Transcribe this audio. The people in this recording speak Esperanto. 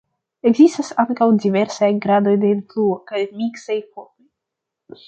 Ekzistas ankaŭ diversaj gradoj de influo kaj miksaj formoj.